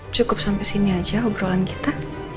cukup sampai sini aja obrolan kita